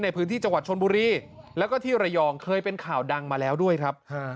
ในพื้นที่จังหวัดชนบุรีแล้วก็ที่ระยองเคยเป็นข่าวดังมาแล้วด้วยครับ